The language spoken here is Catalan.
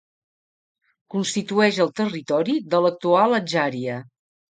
Constitueix el territori de l'actual Adjària.